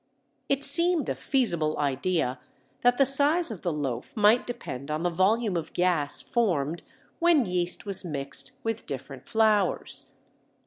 It seemed a feasible idea that the size of the loaf might depend on the volume of gas formed when yeast was mixed with different flours.